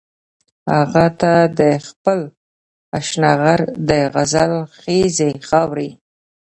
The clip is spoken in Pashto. هغه ته د خپل اشنغر د غزل خيزې خاورې